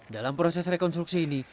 dalam proses rekonstruksi ini